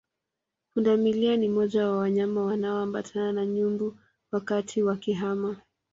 Pundamilia ni moja wa wanyama wanaoambatana na nyumbu wakati wakihama